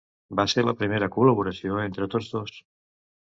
Va ser la primera col·laboració entre tots dos.